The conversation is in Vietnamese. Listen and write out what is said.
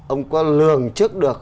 ông có lường chức được